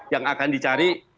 yang akan dicari